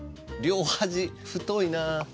両端太いな。